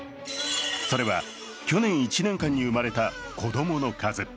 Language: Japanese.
それは去年１年間に生まれた子供の数。